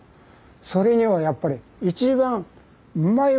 それにはやっぱり一番うまいものを食べる。